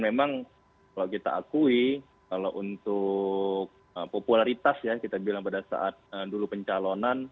memang kalau kita akui kalau untuk popularitas ya kita bilang pada saat dulu pencalonan